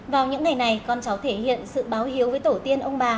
vào những ngày này con cháu thể hiện sự báo hiếu với tổ tiên ông bà